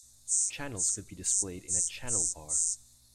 Channels could be displayed in a Channel Bar.